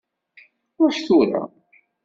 Ṛuḥ tura.